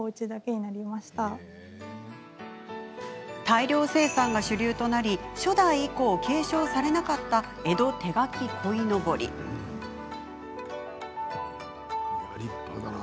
大量生産が主流となり初代以降、継承されなかった江戸手描き鯉のぼり。